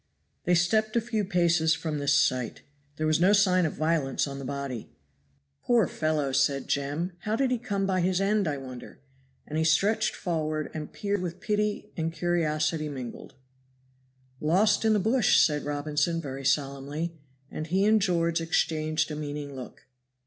They stepped a few paces from this sight. There was no sign of violence on the body. "Poor fellow!" said Jem. "How did he come by his end, I wonder?" And he stretched forward and peered with pity and curiosity mingled. "Lost in the bush!" said Robinson, very solemnly. And he and George exchanged a meaning look.